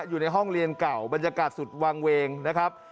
อยู่ในห้องเรียนเก่าบรรยากาศสุดวางเวงนะครับ